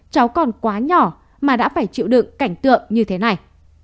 cháu còn quá nhỏ mà đã phải chịu đựng cảnh tượng như thế này